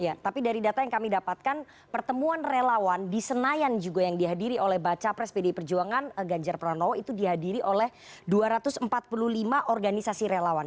ya tapi dari data yang kami dapatkan pertemuan relawan di senayan juga yang dihadiri oleh baca pres pdi perjuangan ganjar pranowo itu dihadiri oleh dua ratus empat puluh lima organisasi relawan